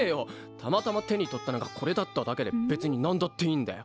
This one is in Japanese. たまたま手に取ったのがこれだっただけで別になんだっていいんだよ。